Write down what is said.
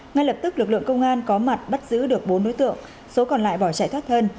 ngay lập tức lực lượng công an có mặt bắt giữ được bốn đối tượng số còn lại bỏ chạy thoát thân